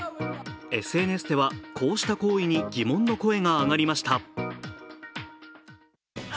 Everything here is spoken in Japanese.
ＳＮＳでは、こうした行為に疑問の声が上がりました。